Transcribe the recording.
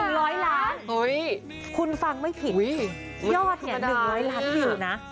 ๑๐๐ล้านคุณฟังไม่ผิดยอด๑๐๐ล้านอยู่นะ